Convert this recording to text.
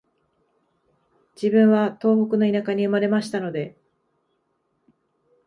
自分は東北の田舎に生まれましたので、